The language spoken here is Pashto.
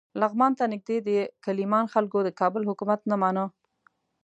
لغمان ته نږدې د کیلمان خلکو د کابل حکومت نه مانه.